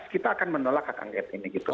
kita akan menolak hak angket ini gitu